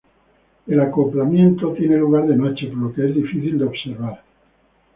El acoplamiento tiene lugar de noche, por lo que es difícil de observar.